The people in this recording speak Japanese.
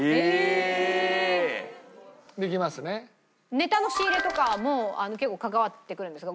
ネタの仕入れとかも結構関わってくるんですか？